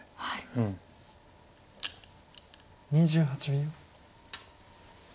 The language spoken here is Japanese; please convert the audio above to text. ２８秒。